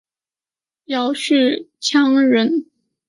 姚绪羌人。